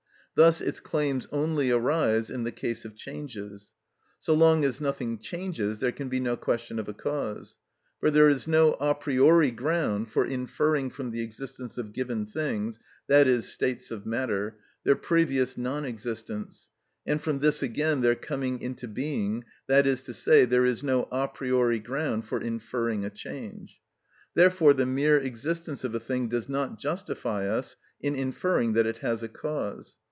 Thus its claims only arise in the case of changes. So long as nothing changes there can be no question of a cause. For there is no a priori ground for inferring from the existence of given things, i.e., states of matter, their previous non existence, and from this again their coming into being, that is to say, there is no a priori ground for inferring a change. Therefore the mere existence of a thing does not justify us in inferring that it has a cause.